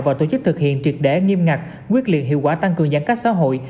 và tổ chức thực hiện triệt đẽ nghiêm ngặt quyết liện hiệu quả tăng cường giãn cách xã hội